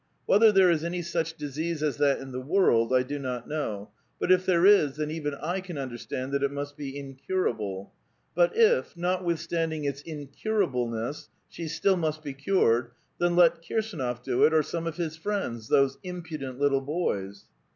Whether there is any such disease as that in the world I do not know ; but if there is, then even I can under stand that it must be incurable. But if, notwithstanding its incurableness, she still must be cured, then let Kirsdnof do it, or some of his friends, — those impudent little boys